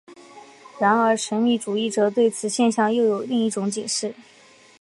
然而神秘主义者对此现象又有另一种解释。